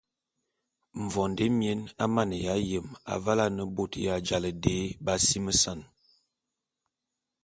Mvondo émien a maneya yem avale ane bôt ya ja dé b’asimesan.